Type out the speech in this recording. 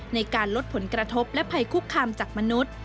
ในการลดผลกระทบและภัยคุกคามจากมนุษย์